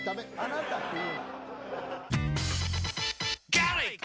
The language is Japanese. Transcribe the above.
ガーリック！